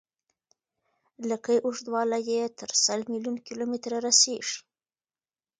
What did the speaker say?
لکۍ اوږدوالی یې تر سل میلیون کیلومتره رسیږي.